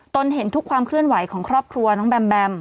เห็นทุกความเคลื่อนไหวของครอบครัวน้องแบมแบม